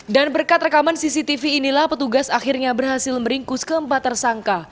dan berkat rekaman cctv inilah petugas akhirnya berhasil meringkus keempat tersangka